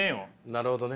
なるほどね。